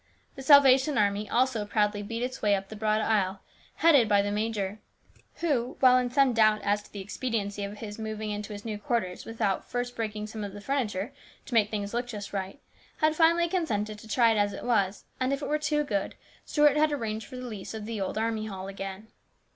The Salvation Army also proudly beat its way up the broad aisle, headed by the major, who, while in some doubt as to the expediency of moving into Ms new quarters without first breaking some of the furniture to make things look just right, had finally consented to try it as it was, and if it were too good, Stuart had arranged for the lease of the old Army Hall again.